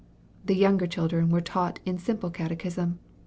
The younger children were taught in simple catechism.